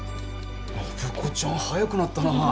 暢子ちゃん早くなったなあ。